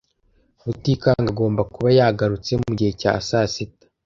Rutikanga agomba kuba yagarutse mugihe cya sasita.